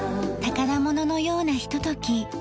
宝物のようなひととき。